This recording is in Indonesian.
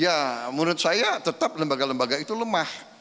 ya menurut saya tetap lembaga lembaga itu lemah